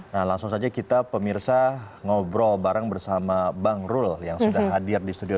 nah langsung saja kita pemirsa ngobrol bareng bersama bang rul yang sudah hadir di studio